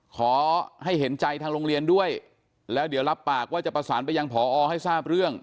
ขอให้เห็นใจทางโรงเรียนด้วยแล้วเดี๋ยวรับปากว่าจะประสานไปยังพอให้ทราบเรื่อง